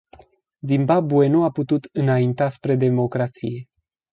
Zimbabwe nu a putut înainta spre democrație.